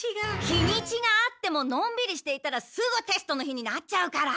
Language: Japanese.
日にちがあってものんびりしていたらすぐテストの日になっちゃうから。